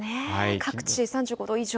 各地３５度以上。